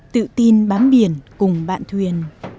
tự tin bám biển cùng bạn thuyền